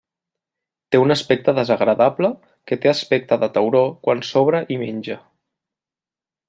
Té un aspecte desagradable que té aspecte de tauró quan s'obre i menja.